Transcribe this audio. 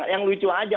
yang lucu saja